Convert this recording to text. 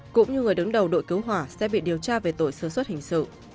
cũng như người đứng đầu đội cứu hỏa sẽ bị điều tra về tội sơ xuất hình sự